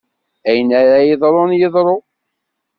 Ayen ara yeḍrun, yeḍru.